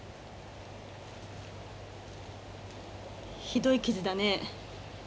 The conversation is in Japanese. ひどい傷だね。